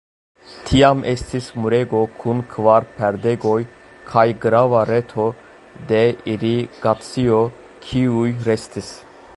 Tiam estis murego kun kvar pordegoj kaj grava reto de irigacio kiuj restis.